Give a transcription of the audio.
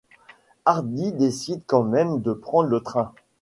Hardy décide quand même de prendre le train.